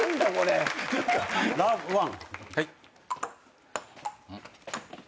ラブワン。